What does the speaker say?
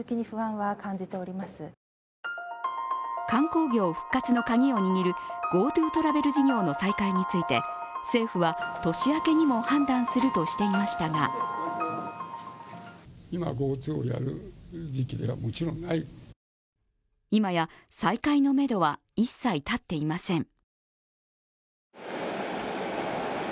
観光業復活の鍵を握るＧｏＴｏトラベル事業の再開について政府は年明けにも判断するとしていましたが今や再開のめどは一切立っていません。